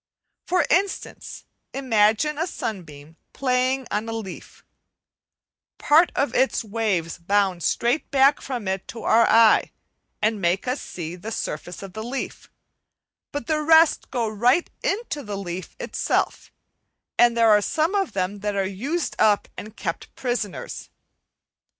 For instance, imagine a sunbeam playing on a leaf: part of its waves bound straight back from it to our eye and make us see the surface of the leaf, but the rest go right into the leaf itself, and there some of them are used up and kept prisoners.